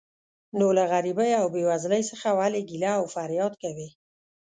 نو له غریبۍ او بې وزلۍ څخه ولې ګیله او فریاد کوې.